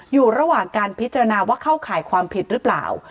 อยู่ระหว่างการพิจารณาว่าเข้าข่ายความผิดหรือเปล่า